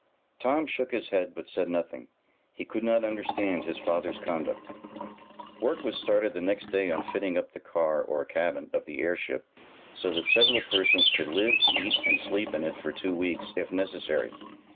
Tom shook his head, but said nothing. He could not understand his father's conduct. Work was started the next day on fitting up the car, or cabin, of the airship, so that several persons could live, eat and sleep in it for two weeks, if necessary.